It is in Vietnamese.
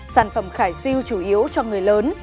sản phẩm khải siêu chủ yếu cho người lớn